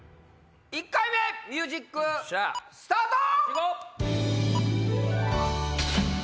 １回目ミュージックスタート！